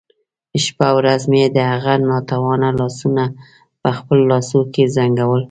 شپه او ورځ مې د هغه ناتوانه لاسونه په خپلو لاسو کې زنګول.